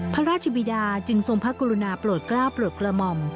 พระราชวิดาจึงส่งพระกุลุนาปลอกล้าปลวกประม่อม